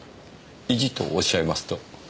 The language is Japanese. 意地とおっしゃいますと？